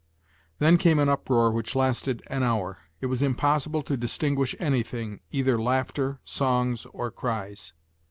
Then came an uproar which lasted an hour. It was impossible to distinguish anything, either laughter, songs or cries.